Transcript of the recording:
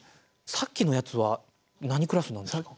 さっきのやつは何クラスになるんですか？